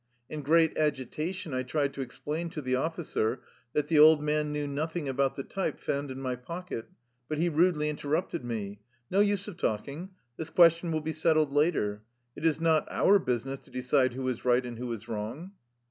In great agitation I tried to explain to the officer that the old man knew nothing about the type found in my pocket, but he rudely interrupted me : "No use of talking. This question will be settled later. It is not our business to decide who is right and who is wrong."